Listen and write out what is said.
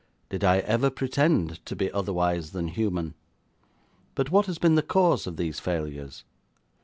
Did I ever pretend to be otherwise than human? But what has been the cause of these failures?